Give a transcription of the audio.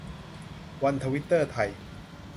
วันทวิตเตอร์ไทย